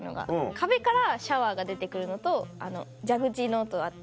壁からシャワーが出て来るのと蛇口のとあって。